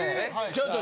ちょっと。